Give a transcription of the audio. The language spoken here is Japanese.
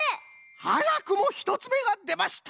はやくも１つめがでました！